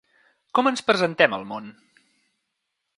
Com ens presentem al món?